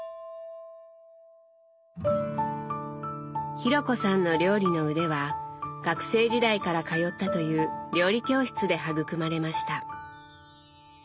紘子さんの料理の腕は学生時代から通ったという料理教室で育まれました。